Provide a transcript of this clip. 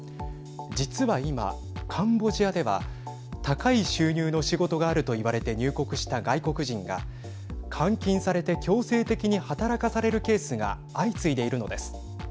実は今、カンボジアでは高い収入の仕事があると言われて入国した外国人が監禁されて強制的に働かされるケースが相次いでいるのです。